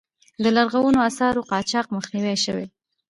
د لرغونو آثارو قاچاق مخنیوی شوی؟